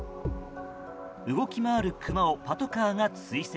動き回るクマをパトカーが追跡。